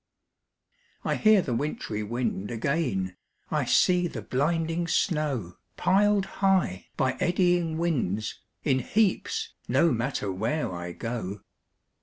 I hear the wintry wind again, I see the blinding snow, Pil'd high, by eddying winds, in heaps, No matter where I go.